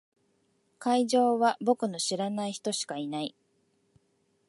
会場は僕の知らない人しかいない。